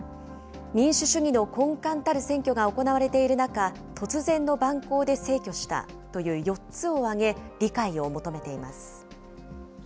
民主主義の根幹たる選挙が行われている中、突然の蛮行で逝去したという４つを挙げ、理解を求めています。